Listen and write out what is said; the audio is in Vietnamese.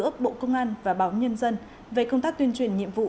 chương trình phối hợp bộ công an và báo nhân dân về công tác tuyên truyền nhiệm vụ